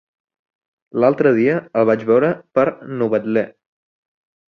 L'altre dia el vaig veure per Novetlè.